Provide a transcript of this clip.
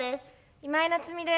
今井菜津美です。